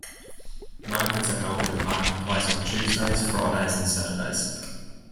Markets are held in the market place on Tuesdays, Fridays and Saturdays.